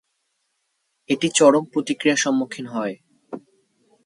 এটি চরম প্রতিক্রিয়ার সম্মুখীন হয়।